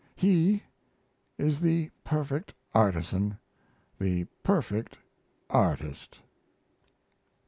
He, is the perfect artisan, the perfect artist.